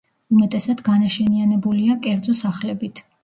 უმეტესად განაშენიანებულია კერძო სახლებით.